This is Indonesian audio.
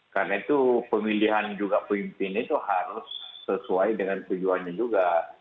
karena itu pemilihan juga pemimpin itu harus sesuai dengan tujuannya juga